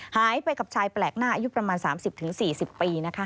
หายไปกับชายแปลกหน้าอายุประมาณ๓๐๔๐ปีนะคะ